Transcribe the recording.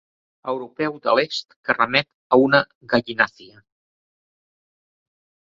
Europeu de l'est que remet a una gallinàcia.